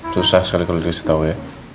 susah sekali kalau dikasih tahu ya